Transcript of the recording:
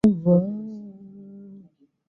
ভয় করিবার এবং ভাবনা করিবারও শক্তি তখন ছিল না।